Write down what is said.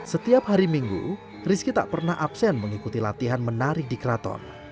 setiap hari minggu rizky tak pernah absen mengikuti latihan menari di keraton